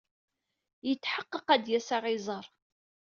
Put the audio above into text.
Yetḥeqq ad d-yas ad aɣ-iẓer.